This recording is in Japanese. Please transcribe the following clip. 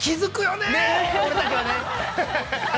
◆ね、俺たちはね。